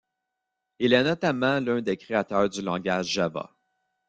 Il est notamment l'un des créateurs du langage Java.